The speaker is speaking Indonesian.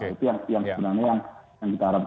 itu yang sebenarnya yang kita harapkan